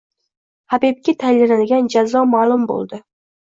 Xabibga tayinlanadigan jazo maʼlum boʻldi